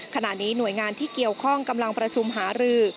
ขณะนี้หน่วยงานที่เกี่ยวข้องกำลังประชุมหารือ